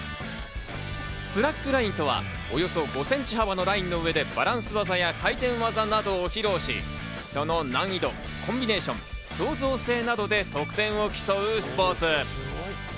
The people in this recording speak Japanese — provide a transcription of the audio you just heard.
スラックラインとはおよそ５センチ幅のラインの上でバランス技や回転技などを披露し、その難易度、コンビネーション、創造性などで得点を競うスポーツ。